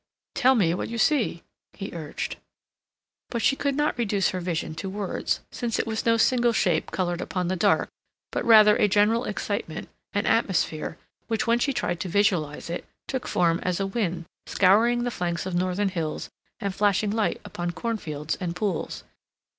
"Tell me what you see," he urged. But she could not reduce her vision to words, since it was no single shape colored upon the dark, but rather a general excitement, an atmosphere, which, when she tried to visualize it, took form as a wind scouring the flanks of northern hills and flashing light upon cornfields and pools.